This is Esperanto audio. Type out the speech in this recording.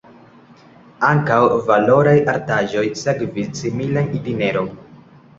Ankaŭ valoraj artaĵoj sekvis similan itineron.